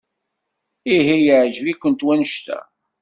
Ihi yeɛjeb-ikent wanect-a?